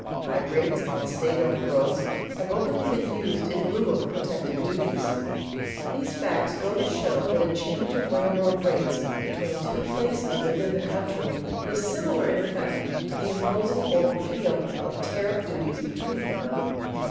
High rates on state owned roads have openly been used in lieu of protective duties. These facts go to show that a change of railroad rates between two places within the country is similar in effect to the imposing or repeal of tariff duties between them.